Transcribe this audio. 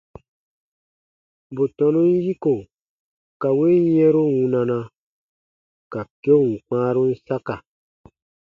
Bù tɔnun yiko ka win yɛ̃ru wunana, ka keun kpãarun saka.